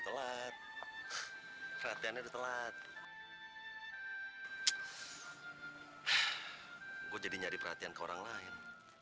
gue jadi nyari perhatian ke orang lain